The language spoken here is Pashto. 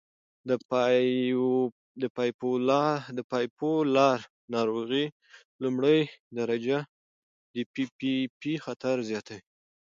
د بایپولار ناروغۍ لومړۍ درجه د پي پي پي خطر زیاتوي.